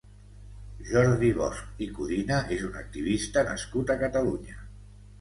Jordi Bosch i Codina és un activista nascut a Catalunya.